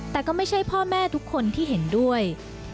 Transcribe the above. แต่ก็ไม่ใช่พ่อแม่ทุกคนที่เห็นด้วย